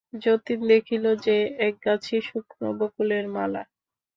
যতীন দেখিল, সে একগাছি শুকনো বকুলের মালা।